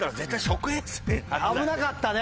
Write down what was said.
危なかったね！